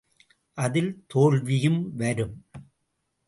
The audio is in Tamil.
அதில் தோல்வியும் வரும்.